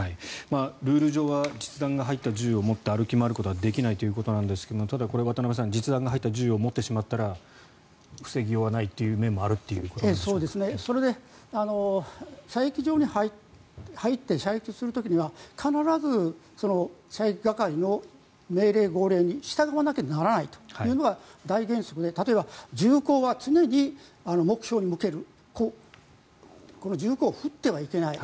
ルール上は実弾が入った銃を持って歩き回ることはできないということなんですがただ、これ、渡部さん実弾が入った銃を持ってしまったら防ぎようがないという面も射撃場に入って射撃する時には必ず射撃係の命令、号令に従わなければならないというのが大原則で例えば、銃口は常に目標に向ける銃口を振ってはいけない。